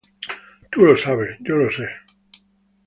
Tu lo sabes, yo lo se.